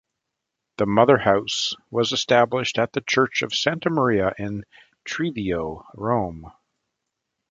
The mother-house was established at the Church of Santa Maria in Trivio, Rome.